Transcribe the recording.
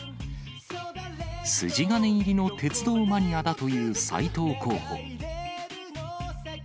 筋金入りの鉄道マニアだという斉藤候補。